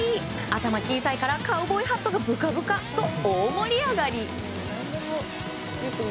頭小さいからカウボーイハットがぶかぶかと大盛り上がり。